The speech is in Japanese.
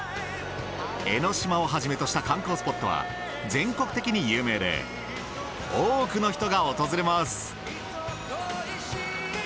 江の島をはじめとした観光スポットは全国的に有名で多くの人が訪れます。